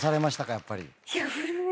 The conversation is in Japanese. やっぱり。